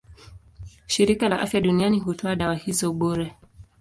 Shirika la Afya Duniani hutoa dawa hizo bure.